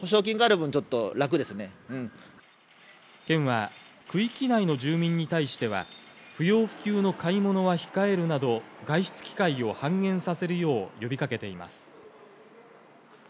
県は区域内の住民に対しては、不要不急の買い物は控えるなど、外出機会を半減させるよう呼びかけています。